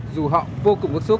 dù họ vô cùng bức xúc